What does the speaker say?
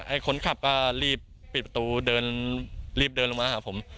คนขับก็รีบปิดประตูเดินรีบเดินลงมาหาผม